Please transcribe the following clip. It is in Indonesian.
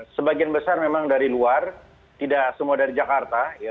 sebagian besar memang dari luar tidak semua dari jakarta